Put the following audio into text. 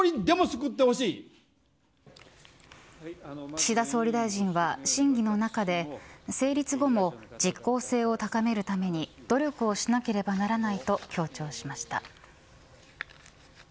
岸田総理大臣は審議の中で成立後も実効性を高めるために努力をしなければならないと強調しました。